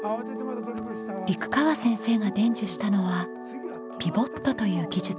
陸川先生が伝授したのはピボットという技術。